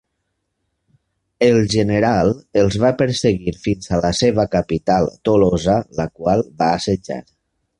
El general els va perseguir fins a la seva capital, Tolosa, la qual va assetjar.